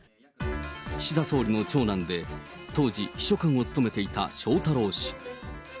岸田総理の長男で、当時、秘書官を務めていた翔太郎氏。